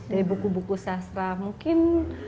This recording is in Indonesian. dari buku buku sastra mungkin